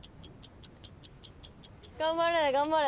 頑張れ頑張れ。